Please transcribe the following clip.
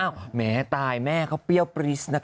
อ้าวแม่ตายแม่เขาเปรี้ยวปรี๊สนะคะ